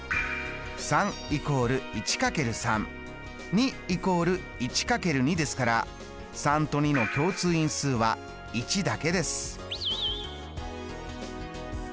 ３＝１×３２＝１×２ですから３と２の共通因数は１だけです。